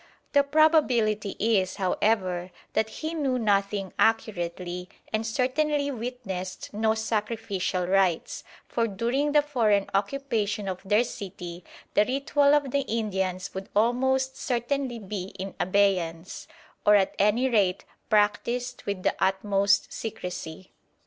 The probability is, however, that he knew nothing accurately and certainly witnessed no sacrificial rites, for during the foreign occupation of their city the ritual of the Indians would almost certainly be in abeyance, or at any rate practised with the utmost secrecy.